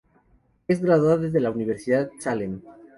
Es graduada de la Universidad Salem.